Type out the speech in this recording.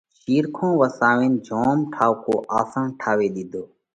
شِيرکون وساوينَ جوم ٺائُوڪو آسنَ ٺاوي ۮِيڌو۔